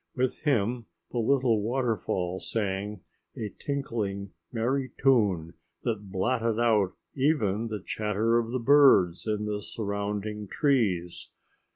With him the little waterfall sang a tinkling, merry tune that blotted out even the chatter of the birds in the surrounding trees.